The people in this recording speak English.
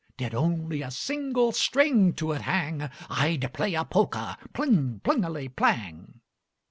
Did only a single string to it hang, I'd play a polka pling plingeli plang!'